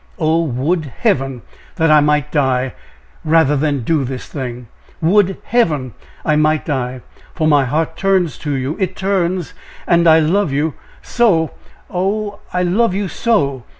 "Oh, would Heaven that I might die, rather than do this thing! Would Heaven I might die! for my heart turns to you; it turns, and I love you so oh! I love you so!